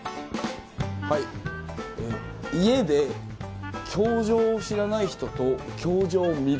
家で「教場」を知らない人と「教場」を見る。